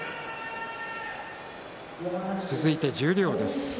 続いて十両です。